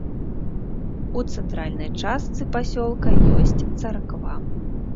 У цэнтральнай частцы пасёлка ёсць царква.